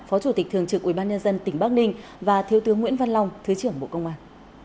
phó chủ tịch thường trực ủy ban nhân dân tỉnh bắc ninh và thiếu tướng nguyễn văn long thứ trưởng bộ công an